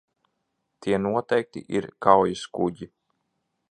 Tie noteikti ir kaujaskuģi.